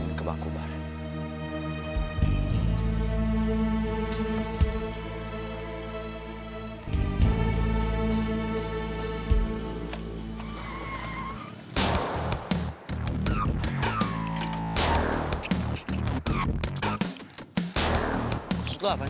gampang dibereskan anak